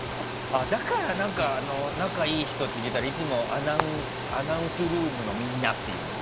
だから仲がいい人って聞いたらいつもアナウンスルームのみんなって言うんだ。